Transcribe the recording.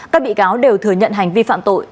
các bị cáo đều thừa nhận hành vi phạm tội